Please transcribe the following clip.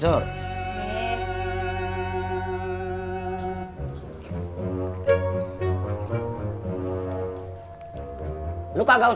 terima kasih lensa gue